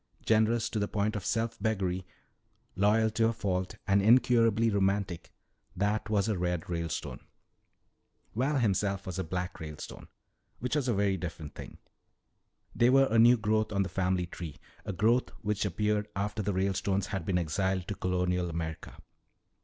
Generous to the point of self beggary, loyal to a fault, and incurably romantic, that was a "Red" Ralestone. Val himself was a "Black" Ralestone, which was a very different thing. They were a new growth on the family tree, a growth which appeared after the Ralestones had been exiled to colonial America.